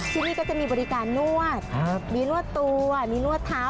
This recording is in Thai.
ที่นี่ก็จะมีบริการนวดมีนวดตัวมีนวดเท้า